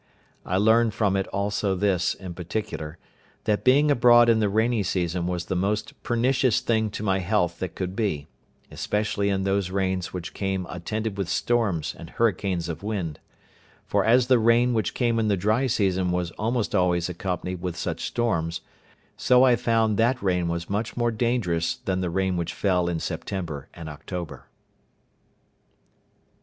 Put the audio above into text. I learned from it also this, in particular, that being abroad in the rainy season was the most pernicious thing to my health that could be, especially in those rains which came attended with storms and hurricanes of wind; for as the rain which came in the dry season was almost always accompanied with such storms, so I found that rain was much more dangerous than the rain which fell in September and October.